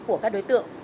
của các đối tượng